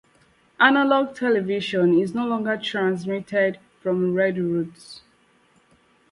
Analogue television is no longer transmitted from Redruth.